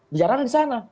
biar ada disana